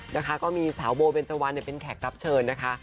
นะคะก็มีสาวโบเบนเจวันเป็นแขกรับเชิญนะคะ